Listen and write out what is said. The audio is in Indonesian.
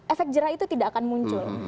efek jerah itu tidak akan muncul